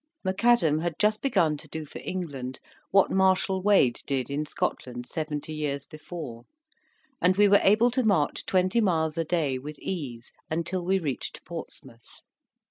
Macadam had just begun to do for England what Marshal Wade did in Scotland seventy years before; and we were able to march twenty miles a day with ease until we reached Portsmouth.